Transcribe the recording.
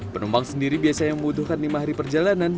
penumpang sendiri biasa yang membutuhkan lima hari perjalanan